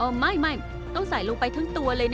ขออย่างรังนั่นหรอโอ้ไม่ไม่ต้องใส่ลูกไปทั้งตัวเลยนะ